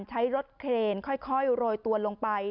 ใช้รถเครนค่อยโรยตัวลงไป